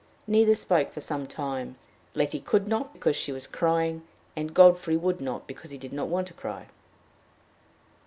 Neither spoke for some time; Letty could not because she was crying, and Godfrey would not because he did not want to cry.